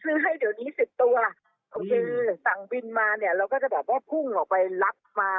คือให้เดี๋ยวนี้สิบตัวโอเคสั่งบินมาเนี่ยเราก็จะแบบว่าพุ่งออกไปรับมา